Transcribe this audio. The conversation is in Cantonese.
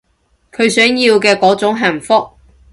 佢想要嘅嗰種幸福